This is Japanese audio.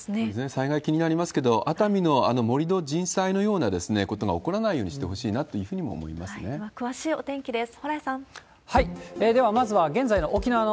災害気になりますけれども、熱海の盛り土、人災のようなことが起こらないようにしてほしいなというふうにも詳しいお天気です。